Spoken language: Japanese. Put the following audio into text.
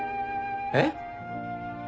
えっ？